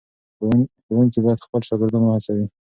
ښوونکي باید خپل شاګردان وهڅوي.